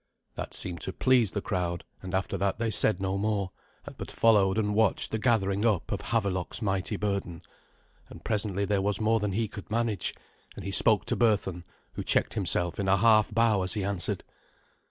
That seemed to please the crowd; and after that they said no more, but followed and watched the gathering up of Havelok's mighty burden. And presently there was more than he could manage; and he spoke to Berthun, who checked himself in a half bow as he answered.